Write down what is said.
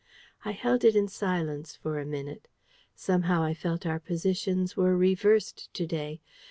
I held it in silence for a minute. Somehow I felt our positions were reversed to day.